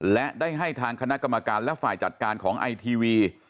และได้ให้ทางคณะกรรมการและฝ่ายจัดการของไอทีวี